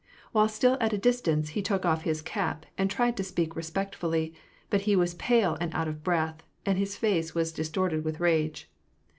While still at a distance, he took off his cap, and tried to speak respectfully ; but he was pale and out of breath, and his face was distorted with rage.